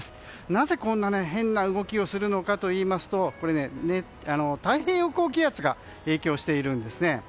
なぜ、こんな変な動きをするのかといいますと太平洋高気圧が影響しているんです。